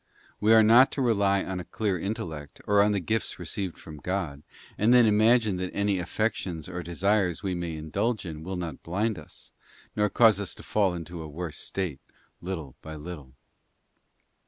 We are not to rely on a clear intellect, or on the gifts received from God, and then imagine that any affections or desires we may indulge in will not blind us, nor cause us to fall into a worse state, little by little.